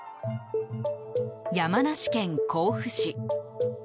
山梨県甲府市。